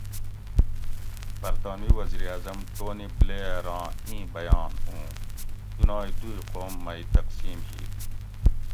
"برطانوی وزیراعظم ٹونی بلیٔر آں اِیں بیان اُوں "" دُنائ دُوئ قوم مئ تقسیم ہِیت"